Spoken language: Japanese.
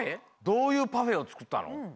どういうパフェをつくったの？